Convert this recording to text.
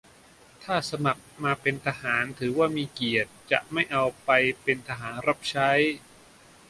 - ถ้าสมัครมาเป็นทหาร ถือว่ามีเกียรติ จะไม่เอาไปเป็นทหารรับใช้